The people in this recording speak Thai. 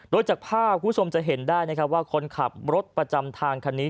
โดยจากภาพคุณผู้ชมจะเห็นได้นะครับว่าคนขับรถประจำทางคันนี้